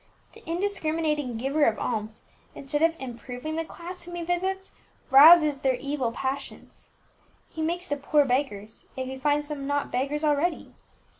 The indiscriminating giver of alms, instead of improving the class whom he visits, rouses their evil passions. He makes the poor beggars, if he finds them not beggars already.